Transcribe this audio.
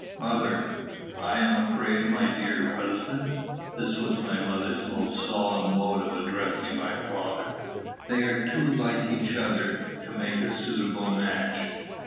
Mother. I am afraid, my dear husband [This was my mother's most solemn mode of addressing my father], "they are too like each other to make a suitable match."